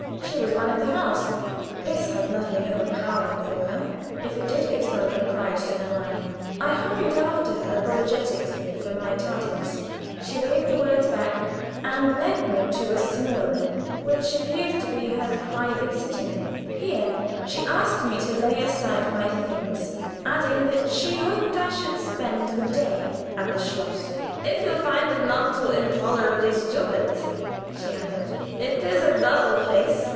She was one of the house; this had nothing overpowering for her, if it did give some of the pride to her mien. I hurried after her, apologizing for my tardiness; she waved the words back, and led me to a smaller room, which appeared to be her private sitting room. Here she asked me to lay aside my things, adding that she hoped I should spend the day at the schloss. "If you find it not too intolerably stupid," she added. "It is a dull place."